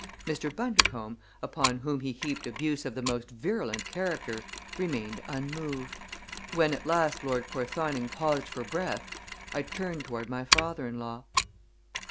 Mr. Bundercombe, upon whom he heaped abuse of the most virulent character, remained unmoved. When at last Lord Porthoning paused for breath, I turned toward my father in law.